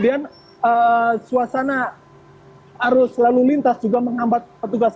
apakah api sudah berhasil dipadamkan